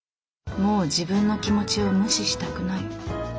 もう自分の気持ちを無視したくない。